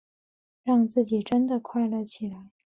让自己真的快乐起来